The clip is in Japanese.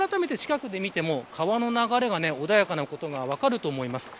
あらためて近くで見ても川の流れが穏やかなことが分かると思います。